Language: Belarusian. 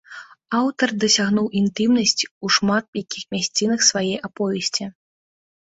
Аўтар дасягнуў інтымнасці ў шмат якіх мясцінах свае аповесці.